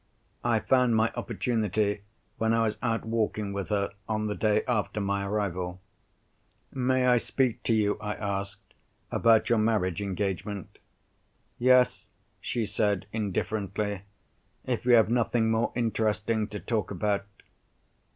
I found my opportunity, when I was out walking with her, on the day after my arrival. "May I speak to you," I asked, "about your marriage engagement?" "Yes," she said, indifferently, "if you have nothing more interesting to talk about."